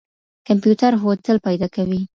کمپيوټر هوټل پيدا کوي.